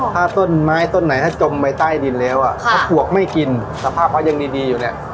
ถ้าต้นไม้ต้นไหนถ้าจมไปใต้ดินแล้วถ้าขวบไม่กินสภาพเขายังดีอยู่เนี่ย